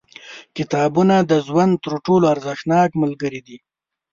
• کتابونه د ژوند تر ټولو ارزښتناک ملګري دي.